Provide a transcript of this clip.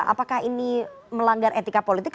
apakah ini melanggar etika politik